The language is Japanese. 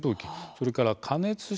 それから加熱式